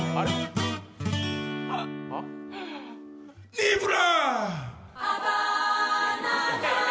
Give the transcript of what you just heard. ニーブラ！